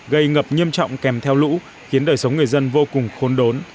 gây ngập nghiêm trọng kèm theo lũ khiến đời sống người dân vô cùng khốn đốn